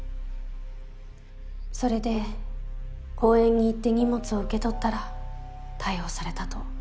それで公園に行って荷物を受け取ったら逮捕されたと。